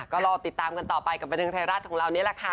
ก็รอติดตามกันต่อไปกับบันเทิงไทยรัฐของเรานี่แหละค่ะ